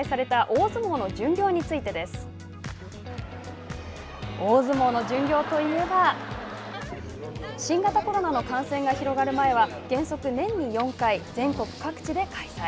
大相撲の巡業といえば新型コロナの感染が広がる前は原則、年に４回、全国各地で開催。